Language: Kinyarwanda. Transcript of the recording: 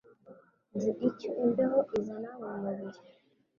Nzi icyo imbeho izana mu mubiri